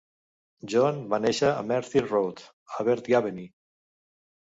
John va néixer a Merthyr Road, Abergavenny.